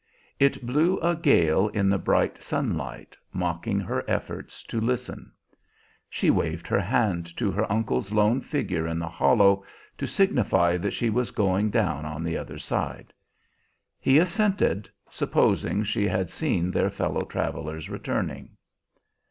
It blew a gale in the bright sunlight, mocking her efforts to listen. She waved her hand to her uncle's lone figure in the hollow, to signify that she was going down on the other side. He assented, supposing she had seen their fellow travelers returning.